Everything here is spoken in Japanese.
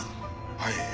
はい。